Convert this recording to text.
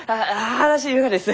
話しゆうがです！